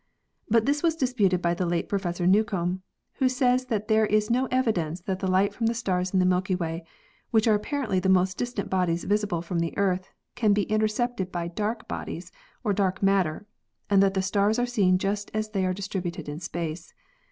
But this was disputed by the late Professor Newcomb, who says that there is no evidence that the light from the stars in the Milky Way, which are apparently the most distant bodies visible from the Earth, can be intercepted by dark bodies or dark matter, and that the stars are seen just as they are dis tributed in space.